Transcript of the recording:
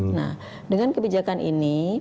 nah dengan kebijakan ini